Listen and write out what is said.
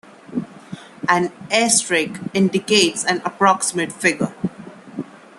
An asterisk indicates an approximate figure.